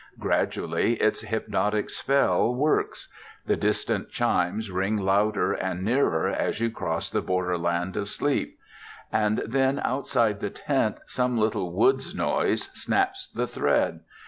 Gradually its hypnotic spell works. The distant chimes ring louder and nearer as you cross the borderland of sleep. And then outside the tent some little woods noise snaps the thread.